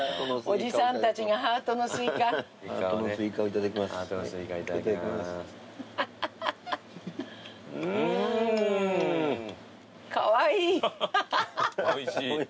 おいしい。